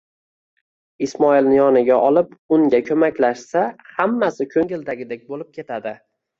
Ismoilni yoniga olib, unga qo'maklashsa, hammasi ko'ngildagidek bo'lib ketadi.